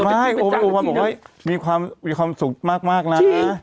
ก็บอกว่ามีความสุขมากนะ